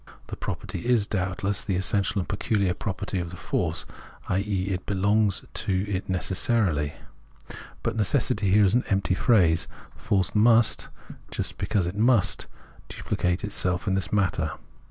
This property is doubtless the essential and pecuhar property of this force, i.e. it belongs to it necessarily. But necessity is here an empty phrase ; force must, just because it must, duphcate itself in this manner.